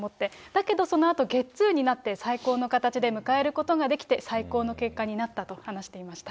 だけどそのあとゲッツーになって、最高の形で迎えることができて、最高の結果になったと話していました。